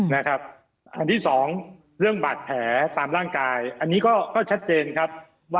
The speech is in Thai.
มีการพบบาดแผลทั้งสองที่นะครับ